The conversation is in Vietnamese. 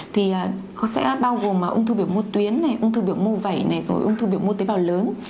thì nó sẽ bao gồm ung thư biểu mô tuyến này ung thư biểu mô vẩy này rồi ung thư biểu mô tế bào lớn